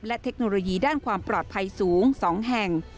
และเทคโนโลยีด้านความปลอดภัยสูง๒แห่ง